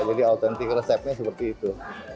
jadi otentik resepnya seperti itu